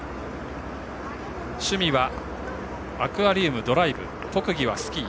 趣味はアクアリウム、ドライブ特技はスキー。